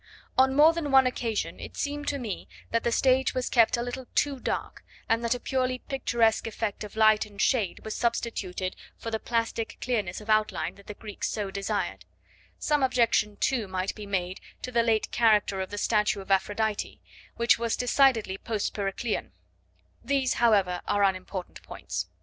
On more than one occasion it seemed to me that the stage was kept a little too dark, and that a purely picturesque effect of light and shade was substituted for the plastic clearness of outline that the Greeks so desired; some objection, too, might be made to the late character of the statue of Aphrodite, which was decidedly post Periclean; these, however, are unimportant points.